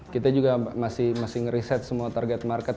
kita juga masih ngereset semua target market